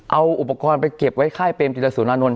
เอาอุปกรณ์ไปเก็บไว้ใคร่เป็นจิลสุนานนล